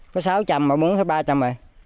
có sáu trăm linh mà muốn thấy ba trăm linh rồi